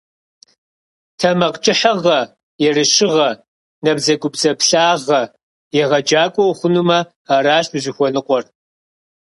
ТэмакъкӀыхьыгъэ, ерыщыгъэ, набдзэгубдзаплъагъэ – егъэджакӏуэ ухъунумэ, аращ узыхуэныкъуэр.